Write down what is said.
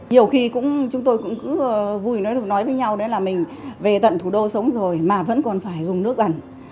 nhiều khi chúng tôi cũng cứ vui nói với nhau đấy là mình về tận thủ đô sống rồi mà vẫn còn phải dùng nước ẩn